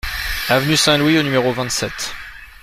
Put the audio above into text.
Avenue Saint-Louis au numéro vingt-sept